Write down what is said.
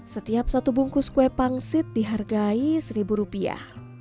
setiap satu bungkus kue pangsit dihargai seribu rupiah